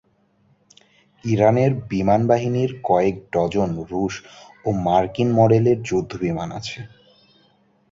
ইরানের বিমানবাহিনীর কয়েক ডজন রুশ ও মার্কিন মডেলের যুদ্ধবিমান আছে।